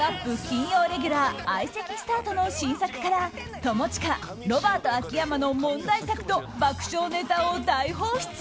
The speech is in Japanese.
金曜レギュラー相席スタートの新作から友近、ロバート秋山の問題作と爆笑ネタを大放出。